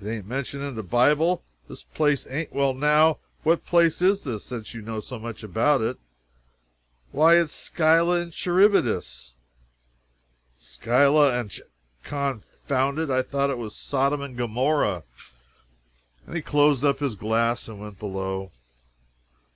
"It ain't mentioned in the Bible! this place ain't well now, what place is this, since you know so much about it?" "Why it's Scylla and Charybdis." "Scylla and Cha confound it, I thought it was Sodom and Gomorrah!" And he closed up his glass and went below.